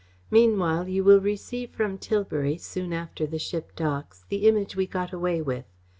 Meanwhile you will receive from Tilbury, soon after the ship docks, the Image we got away with.